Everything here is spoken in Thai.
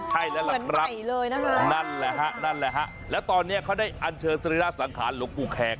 ใช่แล้วล่ะครับนั่นแหละฮะแล้วตอนนี้เขาได้อัญเชิญสริราชสังขารหลวงปู่แขก